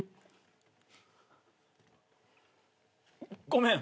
ごめん。